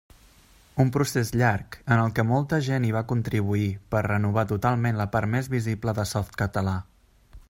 Un procés llarg, en el que molta gent hi va contribuir, per renovar totalment la part més visible de Softcatalà.